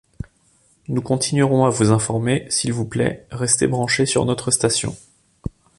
Nous continuerons à vous informer, s'il vous plait, restez branchés sur notre station.